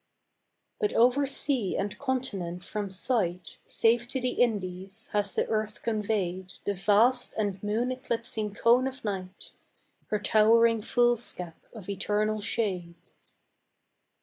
But over sea and continent from sight Safe to the Indies has the earth conveyed The vast and moon eclipsing cone of night, Her towering foolscap of eternal shade.